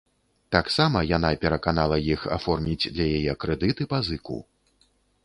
Таксама яна пераканала іх аформіць для яе крэдыт і пазыку.